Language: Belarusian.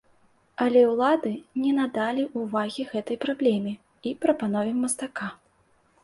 Але ўлады не надалі ўвагі гэтай праблеме і прапанове мастака.